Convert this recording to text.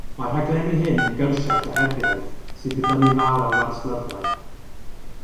Mae'r rhaglenni hyn yn gyrsiau gohebiaeth, sy'n dibynnu'n fawr ar werslyfrau.